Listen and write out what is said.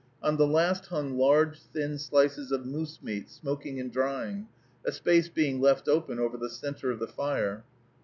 On the last hung large, thin slices of moose meat smoking and drying, a space being left open over the centre of the fire.